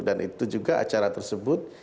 dan itu juga acara tersebut